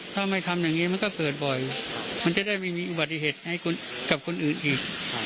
ถ้าไม่ทำอย่างนี้มันก็เกิดบ่อยมันจะได้ไม่มีอุบัติเหตุให้กับคนอื่นอีก